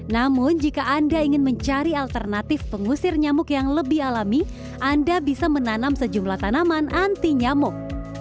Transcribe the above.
namun jika anda ingin mencari alternatif pengusir nyamuk yang lebih alami anda bisa menanam sejumlah tanaman anti nyamuk